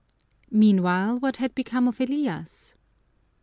Meanwhile, what had become of Elias?